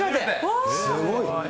すごい。